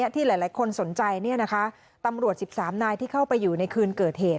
ที่หลายคนสนใจตำรวจ๑๓นายที่เข้าไปอยู่ในคืนเกิดเหตุ